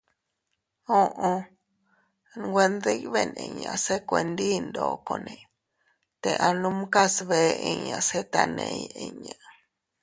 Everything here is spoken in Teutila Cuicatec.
Uʼu.- Nwe ndibeʼn inña se kuendi ndokone te anumkas bee inña se taney inña.